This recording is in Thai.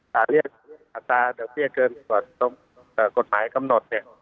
แต่เรียกอันตราเดี๋ยวเตรียดเกินกว่ากฎหมายกำหนด